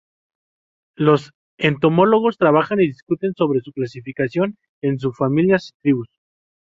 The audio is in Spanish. Los entomólogos trabajan y discuten sobre su clasificación en subfamilias y tribus.